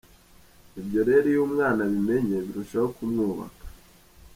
Ibyo rero iyo umwana abimenye birushasho kumwubaka.